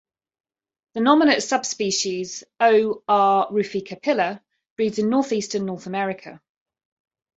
The nominate subspecies, "O. r. ruficapilla", breeds in northeastern North America.